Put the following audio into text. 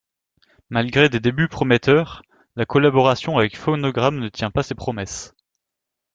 Malgré des débuts prometteurs, la collaboration avec Phonogram ne tient pas ses promesses.